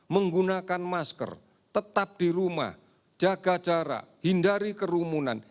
menggunakan masker tetap di rumah jaga jarak hindari kerumunan